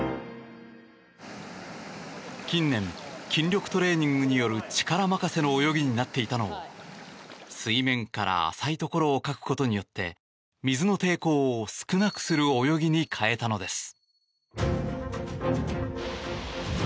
近年、筋力トレーニングによる力任せの泳ぎになっていたのを水面から浅いところをかくことによって水の抵抗を少なくする泳ぎに変えたのです。